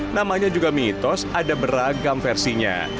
namanya juga mitos ada beragam versinya